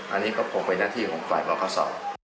อันนี้ก็โผล่ไปหน้าที่ของฝ่ายบริษัท